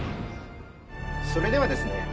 それではですね